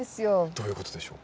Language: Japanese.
どういうことでしょう？